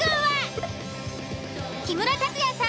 木村拓哉さん